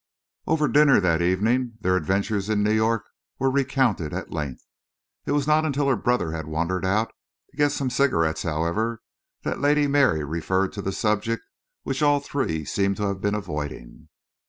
Over dinner that evening, their adventures in New York were recounted at length. It was not until her brother had wandered out to get some cigarettes, however, that Lady Mary referred to the subject which all three seemed to have been avoiding.